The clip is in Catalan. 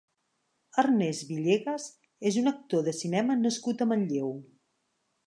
Ernest Villegas és un actor de cinema nascut a Manlleu.